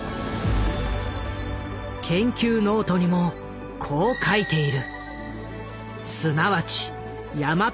研究ノートにもこう書いている。